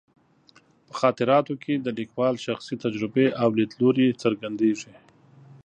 په خاطراتو کې د لیکوال شخصي تجربې او لیدلوري څرګندېږي.